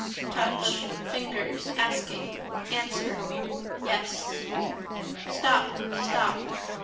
Touch. Fingers. Asking. Answer. Yes. Stop. Stop.